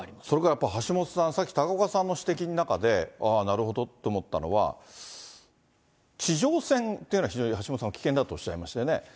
それからやっぱり橋下さん、さっき高岡さんの指摘の中で、なるほどって思ったのは、地上戦っていうのは非常に橋下さん、危険だとおっしゃいましたよね。